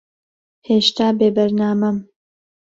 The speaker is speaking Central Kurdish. ھێشتا بێبەرنامەم.